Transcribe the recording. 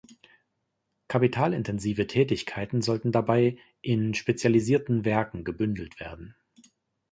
Kapitalintensive Tätigkeiten sollten dabei in spezialisierten Werken gebündelt werden.